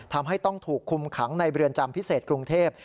ทำให้ต้องถูกคุมขังในเรือนจำพิเศษกรุงเทพ